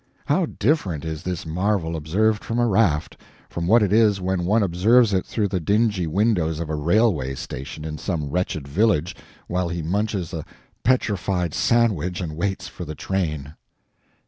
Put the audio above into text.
How different is this marvel observed from a raft, from what it is when one observes it through the dingy windows of a railway station in some wretched village while he munches a petrified sandwich and waits for the train.